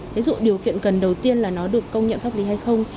ví dụ điều kiện cần đầu tiên là nó được công nhận pháp lý hay không